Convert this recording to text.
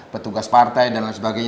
petugas partai dan lain sebagainya